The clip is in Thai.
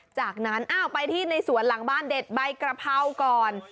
จากนั้นอ้าวไปที่ในสวนหลังบ้านเด็ดใบกระเพราก่อน